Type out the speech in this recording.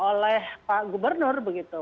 oleh pak gubernur begitu